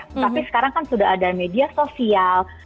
tapi sekarang kan sudah ada media sosial